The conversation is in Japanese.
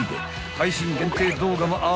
［配信限定動画もある］